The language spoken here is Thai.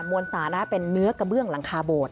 มวลสาระเป็นเนื้อกระเบื้องหลังคาโบด